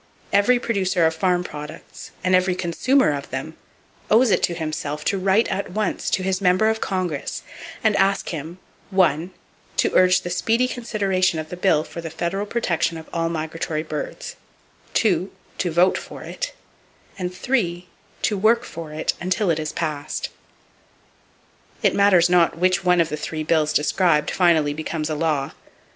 Every producer of farm products and every consumer of them owes it to himself to write at once to his member of Congress and ask him (1) to urge the speedy consideration of the bill for the federal protection of all migratory birds, (2) to vote for it, and (3) to work for it until it is passed. It matters not which one of the three bills described finally becomes a law.